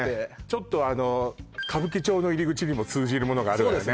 ちょっと歌舞伎町の入り口にも通じるものがあるわよね